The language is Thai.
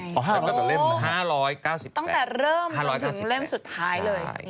ตั้งแต่เริ่มจนถึงเล่มสุดท้ายเลย